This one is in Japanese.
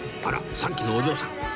あらさっきのお嬢さん